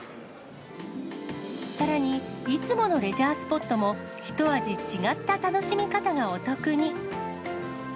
さらに、いつものレジャースポットも、一味違った楽しみ方がお得に。